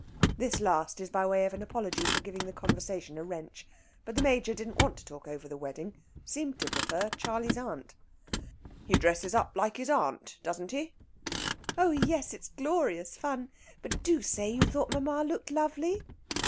This last is by way of apology for giving the conversation a wrench. But the Major didn't want to talk over the wedding seemed to prefer "Charley's Aunt." "He dresses up like his aunt, doesn't he?" "Oh yes it's glorious fun! But do say you thought mamma looked lovely."